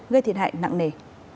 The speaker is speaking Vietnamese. gây thiệt hại nặng nề